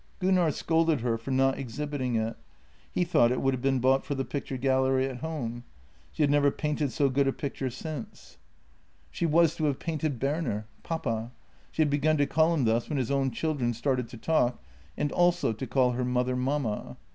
Gunnar scolded her for not exhibiting it ; he thought it would have been bought for the picture gallery at home. She had never painted so good a picture since. 96 JENNY She was to have painted Berner — papa. She had begun to call him thus when his own children started to talk, and also to call her mother mamma.